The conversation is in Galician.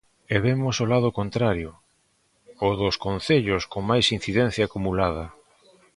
E vemos o lado contrario: o dos concellos con máis incidencia acumulada.